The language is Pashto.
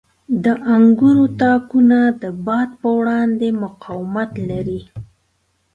• د انګورو تاکونه د باد په وړاندې مقاومت لري.